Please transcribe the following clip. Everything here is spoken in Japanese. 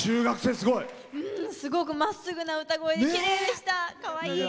すごくまっすぐな歌声できれいでした。